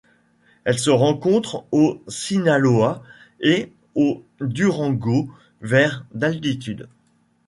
Elle se rencontre au Sinaloa et au Durango vers d'altitude.